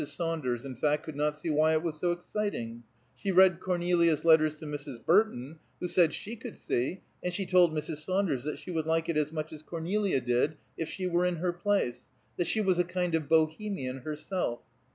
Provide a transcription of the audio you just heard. Saunders, in fact, could not see why it was so exciting; she read Cornelia's letters to Mrs. Burton, who said she could see, and she told Mrs. Saunders that, she would like it as much as Cornelia did, if she were in her place; that she was a kind of Bohemian herself.